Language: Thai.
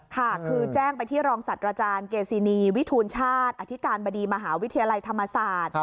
ค่ะคือแจ้งไปที่รองศัตว์อาจารย์เกซินีวิทูลชาติอธิการบดีมหาวิทยาลัยธรรมศาสตร์